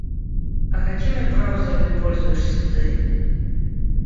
А какими браузерами пользуешься ты?